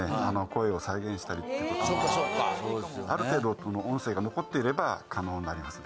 声を再現したりそっかそっかある程度音声が残っていれば可能になります